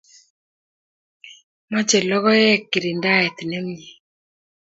mache logoek kirindaet nemie